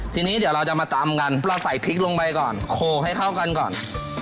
ทีนี้เดี๋ยวเราจะมาตำกันเราใส่พริกลงไปก่อนโขกให้เข้ากันก่อน